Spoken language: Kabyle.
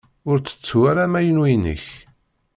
Ur tettu ara amayu-inek.